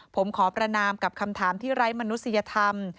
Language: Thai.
ผมขอประนามกับคำถามที่ไร้มนุษยธรรม